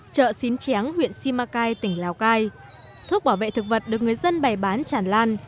chợ xín chén huyện simacai tỉnh lào cai thuốc bảo vệ thực vật được người dân bày bán tràn lan